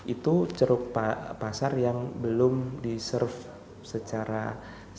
itu ceruk pasar yang belum di serve secara offline